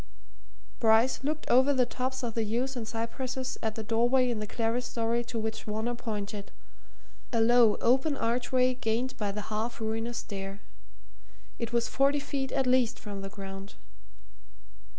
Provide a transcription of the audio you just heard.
Bryce looked over the tops of the yews and cypresses at the doorway in the clerestory to which Varner pointed a low, open archway gained by the half ruinous stair. It was forty feet at least from the ground.